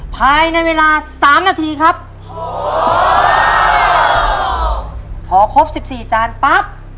ภายในเวลาสามนาทีครับพอครบสิบสี่จานปั๊บ